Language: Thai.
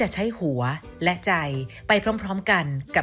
สวัสดีค่ะ